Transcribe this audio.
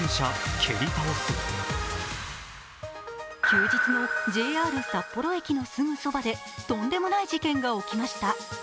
休日のＪＲ札幌駅のすぐそばでとんでもない事件が起きました。